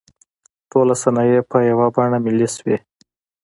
ټولې صنایع په یوه بڼه ملي شوې.